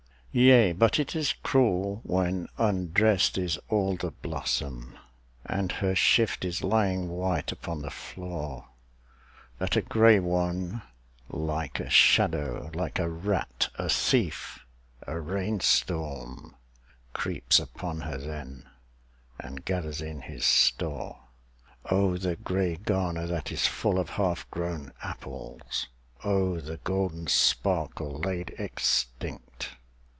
Yea, but it is cruel when undressed is all the blossom, And her shift is lying white upon the floor, That a grey one, like a shadow, like a rat, a thief, a rain storm Creeps upon her then and gathers in his store. Oh, the grey garner that is full of half grown apples, Oh, the golden sparkles laid extinct